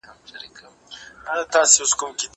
که وخت وي، کتابونه وليکم..